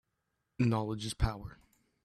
Knowledge is power